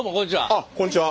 あっこんにちは。